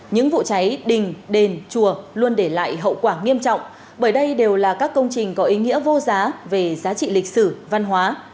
những vụ cháy đình đền chùa luôn để lại hậu quả nghiêm trọng bởi đây đều là các công trình có ý nghĩa vô giá về giá trị lịch sử văn hóa